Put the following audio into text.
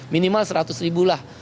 minimal seratus ribu lah